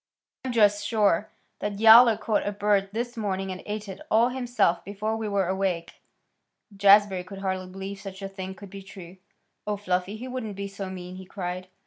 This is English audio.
I'm just sure Yowler caught a bird this morning and ate it all himself before we were awake." Jazbury could hardly believe such a thing could be true. "Oh, Fluffy! He wouldn't be so mean!" he cried.